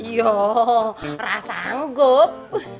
yo rasa anggup